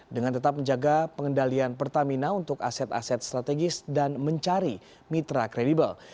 dengan tetap menjaga pengendalian pertamina untuk aset aset strategis dan mencari mitra kredibel